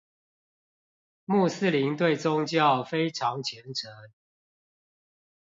穆斯林對宗教非常虔誠